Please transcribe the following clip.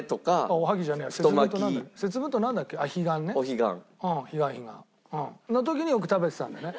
彼岸彼岸。の時によく食べてたんだよね。